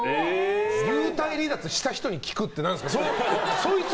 幽体離脱した人に聞くって何ですか。